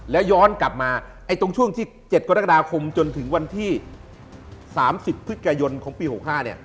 แล้วย้อนกลับมาตรงช่วงที่๗กรกฎาคมจนถึงวันที่๓๐พฤศจิกายนของปี๖๕เนี่ย